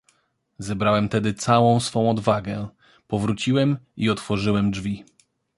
"Zebrałem tedy całą swą odwagę, powróciłem i otworzyłem drzwi."